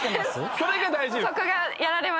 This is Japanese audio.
それが大事です。